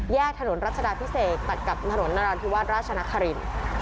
ถนนรัชดาพิเศษตัดกับถนนนราธิวาสราชนครินทร์